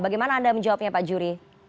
bagaimana anda menjawabnya pak juri